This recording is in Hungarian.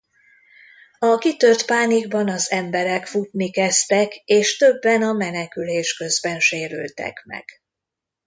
A kitört pánikban az emberek futni kezdtek és többen a menekülés közben sérültek meg.